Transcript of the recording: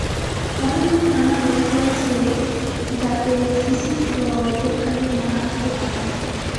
মনে মনে নানা প্ল্যান করছে যাতে সিসির দল এখানে না আসতে পারে।